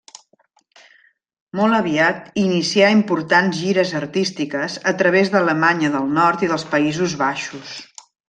Molt aviat inicià importants gires artístiques a través d'Alemanya del Nord i dels Països Baixos.